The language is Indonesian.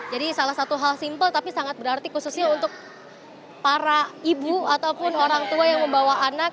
jadi salah satu hal simpel tapi sangat berarti khususnya untuk para ibu ataupun orang tua yang membawa anak